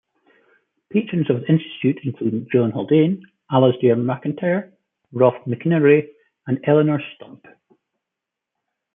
Patrons of the institute include John Haldane, Alasdair MacIntyre, Ralph McInerny and Eleonore Stump.